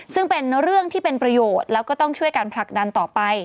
ซึ่งเป็นเรื่องที่เป็นประโยชน์แล้วก็ต้องช่วยการผลักดันต่อไป